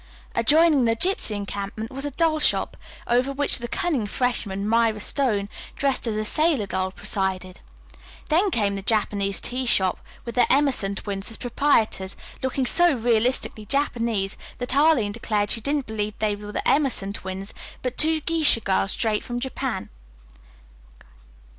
Adjoining the gypsy encampment was a doll shop, over which the cunning freshman, Myra Stone, dressed as a sailor doll, presided. Then came the Japanese tea shop, with the Emerson twins as proprietors, looking so realistically Japanese that Arline declared she didn't believe they were the Emerson twins, but two geisha girls straight from Japan.